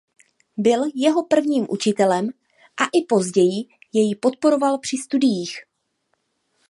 Byl jeho prvním učitelem a i později jej podporoval při studiích.